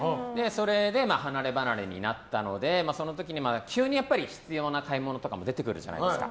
それで、離ればなれになったのでその時に急に必要な買い物とかも出てくるじゃないですか。